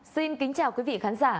xin kính chào quý vị khán giả